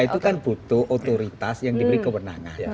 itu kan butuh otoritas yang diberi kewenangan